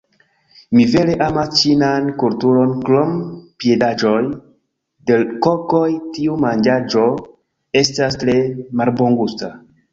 Mi vere amas ĉinan kulturon krom piedaĵoj de kokoj tiu manĝaĵo estas tre malbongusta